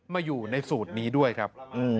มาอยู่ในสูตรนี้ด้วยครับ